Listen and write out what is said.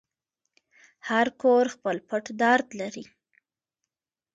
هر کور خپل پټ درد لري.